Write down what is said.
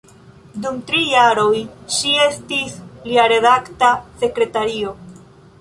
Dum tri jaroj ŝi estis lia redakta sekretario.